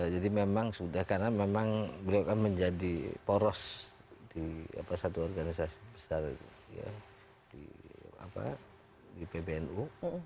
jadi memang sudah karena memang beliau kan menjadi poros di satu organisasi besar di pbnu